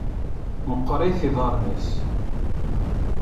Meqqṛit iḍaṛṛen-is.